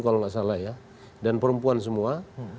kalau nggak salah ya dan perempuan semua